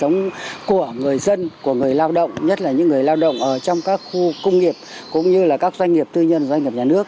những người lao động ở trong các khu công nghiệp cũng như các doanh nghiệp tư nhân doanh nghiệp nhà nước